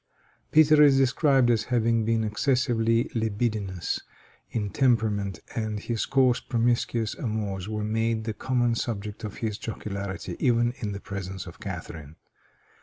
Peter is described as having been excessively libidinous in temperament, and his coarse promiscuous amours were made the common subject of his jocularity, even in the presence of Catharine.